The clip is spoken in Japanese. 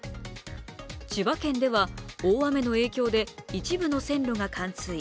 千葉県では大雨の影響で一部の線路が冠水。